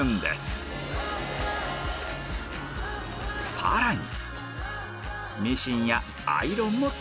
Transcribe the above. さらに！